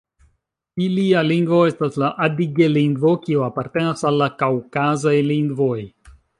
Ilia lingvo estas la adige-lingvo, kiu apartenas al la kaŭkazaj lingvoj.